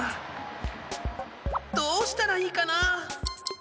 どうしたらいいかな？